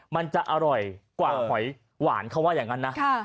มันจะอร่อยกว่าหอยหวานเขาว่าอย่างนั้นนะ